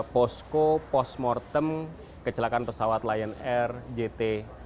posko post mortem kecelakaan pesawat lion air jt enam ratus sepuluh